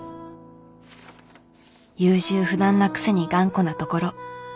優柔不断なくせに頑固なところ。